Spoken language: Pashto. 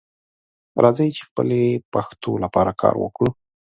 راځئ چې خپلې پښتو لپاره کار وکړو